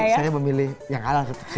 jadi saya memilih yang halal